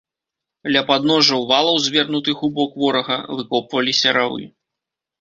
Ля падножжаў валаў, звернутых у бок ворага, выкопваліся равы.